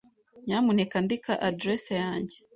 Nyamuneka andika adresse yanjye.